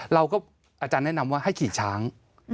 อาจารย์แนะนำว่าให้ขี่ช้าง